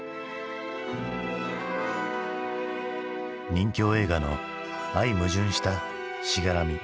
任侠映画の相矛盾した「しがらみ」。